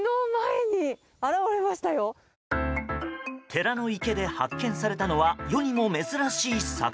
寺の池で発見されたのは世にも珍しい魚。